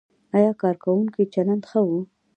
ایا کارکوونکو چلند ښه و؟